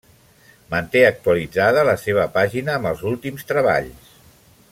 Manté actualitzada la seva pàgina amb els últims treballs.